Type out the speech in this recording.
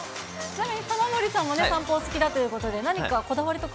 ちなみに玉森さんもね、散歩が好きだということで、何か、こだわ